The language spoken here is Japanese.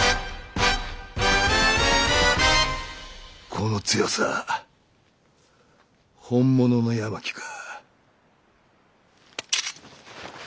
この強さ本物の八巻か。